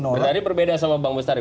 berarti berbeda sama bang bestari